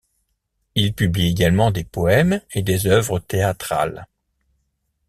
Il publie également des poèmes et des œuvres théâtrales.